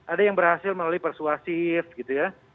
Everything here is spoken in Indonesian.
ada yang berhasil melalui persuasif gitu ya